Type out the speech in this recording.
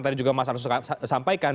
tadi juga mas arsul sampaikan